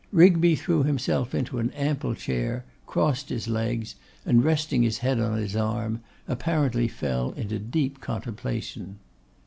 Rigby threw himself into an ample chair, crossed his legs, and resting his head on his arm, apparently fell into deep contemplation.